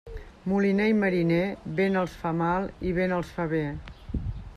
Moliner i mariner, vent els fa mal i vent els fa bé.